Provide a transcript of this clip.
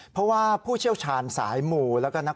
เพราะว่าผู้เชี่ยวชาญสายหมู่